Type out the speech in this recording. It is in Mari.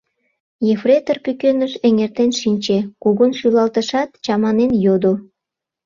Ефрейтор пӱкеныш эҥертен шинче, кугун шӱлалтышат, чаманен йодо: